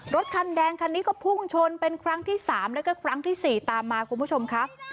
รถคันแดงคันนี้ก็พุ่งชนเป็นครั้งที่๓แล้วก็ครั้งที่๔ตามมาคุณผู้ชมครับ